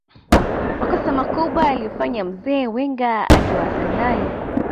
makossa makubwa aliyofanya mzee Wenger akiwa arsenal